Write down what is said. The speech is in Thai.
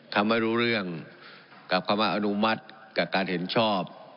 ทำให้รู้เรื่องกับคำว่าอนุมัติกับการเห็นชอบ